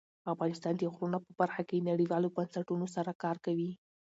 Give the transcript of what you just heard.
افغانستان د غرونه په برخه کې نړیوالو بنسټونو سره کار کوي.